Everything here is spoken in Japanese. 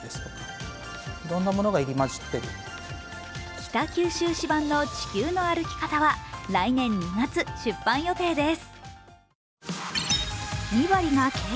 北九州市版の「地球の歩き方」は来年２月、出版予定です。